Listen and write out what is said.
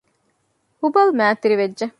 ހުބަލު މަތިވެރިވެއްޖެ